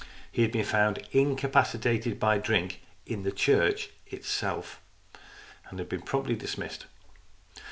He had been found incapacitated by drink in the church itself, and had been promptly dismissed.